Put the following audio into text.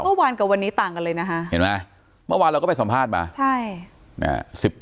เมื่อวานกับวันนี้ต่างกันเลยนะคะเห็นไหมเมื่อวานเราก็ไปสัมภาษณ์มาใช่